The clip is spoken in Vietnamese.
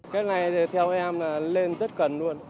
cái này theo em là lên rất cần luôn